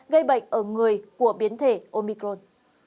gây bệnh ở người của biến thể omicron